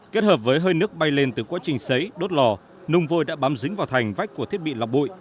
kết hợp với hơi nước bay lên từ quá trình xấy đốt lò nung vôi đã bám dính vào thành vách của thiết bị lọc bụi